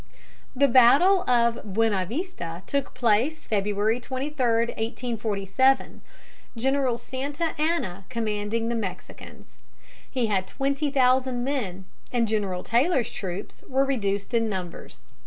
The battle of Buena Vista took place February 23, 1847, General Santa Anna commanding the Mexicans. He had twenty thousand men, and General Taylor's troops were reduced in numbers.